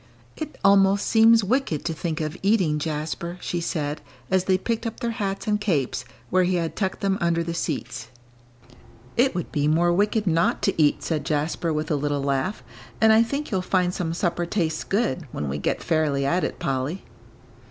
"It almost seems wicked to think of eating, Jasper," she said, as they picked up their hats and capes, where he had tucked them under the seats. "It would be more wicked not to eat," said Jasper, with a little laugh, "and I think you'll find some supper tastes good, when we get fairly at it, Polly."